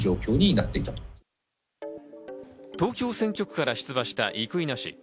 東京選挙区から出馬した生稲氏。